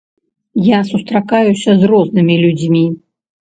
Я сустракаюся з рознымі людзьмі.